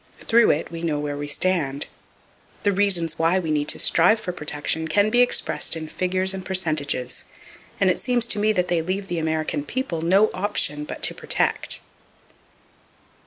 Through it we know where we stand. The reasons why we need to strive for protection can be expressed in figures and percentages; and it seems to me that they leave the American people no option but to protect!